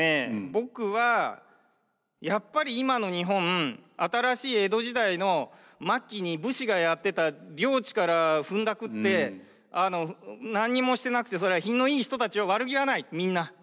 僕はやっぱり今の日本新しい江戸時代の末期に武士がやってた領地からふんだくって何にもしてなくてそれは品のいい人たち悪気はないみんな。